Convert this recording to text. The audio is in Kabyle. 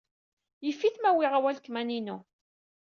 Yif-it ma uwyeɣ awalkman-inu.